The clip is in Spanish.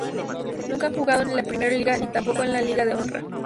Nunca han jugado en la Primeira Liga ni tampoco en la Liga de Honra.